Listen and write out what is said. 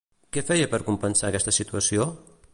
Què feia per compensar aquesta situació?